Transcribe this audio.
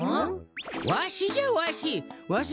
わしじゃわし！